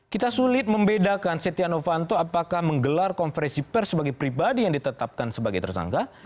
kita sulit membedakan setia novanto apakah menggelar konferensi pers sebagai pribadi yang ditetapkan sebagai tersangka